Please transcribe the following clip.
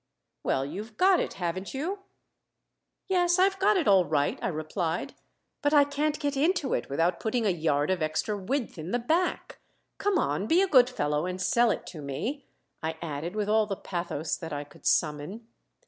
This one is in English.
"Well, you've got it, haven't you?" "Yes, I've got it all right," I replied; "but I can't get into it without putting a yard of extra width in the back. Come on be a good fellow and sell it to me," I added with all the pathos that I could summon.